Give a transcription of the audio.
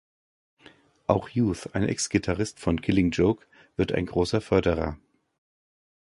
Auch Youth, Ex-Gitarrist von Killing Joke, wird ein großer Förderer.